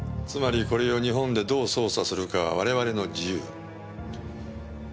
つまりこれを日本でどう捜査するか我々の自由。